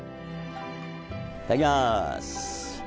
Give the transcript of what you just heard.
いただきます。